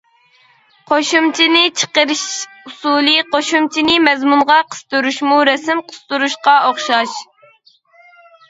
قوشۇمچىنى چىقىرىش ئۇسۇلى قوشۇمچىنى مەزمۇنغا قىستۇرۇشمۇ رەسىم قىستۇرۇشقا ئوخشاش.